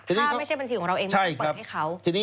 ถ้าไม่ใช่บัญชีของเราเองไม่ต้องเปิดให้เขา